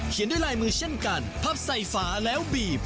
ด้วยลายมือเช่นกันพับใส่ฝาแล้วบีบ